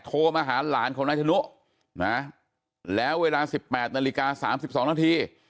โทรมาหาหลานของนายธนุนะแล้วเวลา๑๘นาฬิกา๓๒นาที